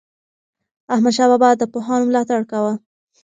احمدشاه بابا د پوهانو ملاتړ کاوه.